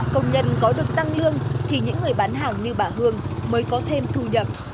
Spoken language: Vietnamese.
công nhân có được tăng lương thì những người bán hàng như bà hương mới có thêm thu nhập